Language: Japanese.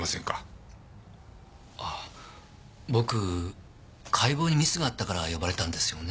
ああ僕解剖にミスがあったから呼ばれたんですよね？